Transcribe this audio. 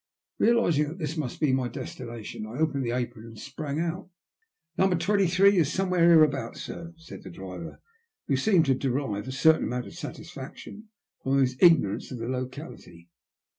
Bealising that this must be my destination I opened the apron and sprang out. Number 28 is somewhere hereabouts, sir," said the driver, who seemed to derive a certain amount of satisfaction from his ignorance of the locality.